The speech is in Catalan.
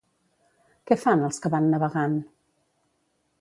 Què fan els que van navegant?